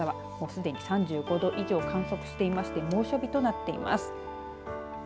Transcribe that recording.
すでに３５度以上を観測していまして猛暑日となっています。